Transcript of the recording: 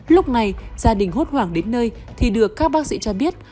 lúc này gia đình hốt hoảng đến nơi thì được các bác sĩ cho biết